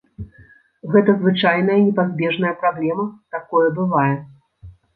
Гэта звычайная непазбежная праблема, такое бывае.